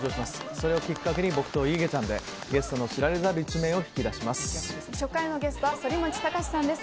それをきっかけに、僕とイゲちゃんで、ゲストの知られざる一面を引き出します。